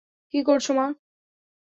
কী করছো, মা?